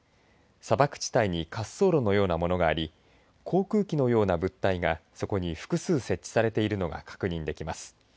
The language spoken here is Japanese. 砂漠地帯に滑走路のようなものがあり航空機のような物体がそこに複数設置されているのが確認できます。